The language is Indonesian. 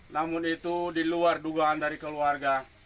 namun itu diluar dugaan dari keluarga